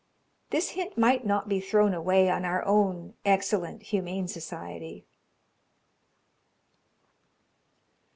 This hint might not be thrown away on our own excellent Humane Society.